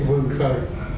để vương khơi